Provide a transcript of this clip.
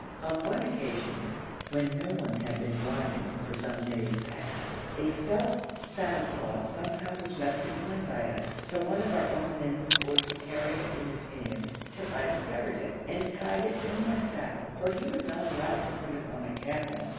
On one occasion, when no one had been riding for some days past, a felt saddle cloth somehow was left behind by us, so one of our own men was forced to carry it in his hand till I discovered it, and tied it to my saddle, for he was not allowed to put it on a camel.